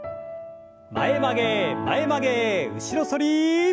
前曲げ前曲げ後ろ反り。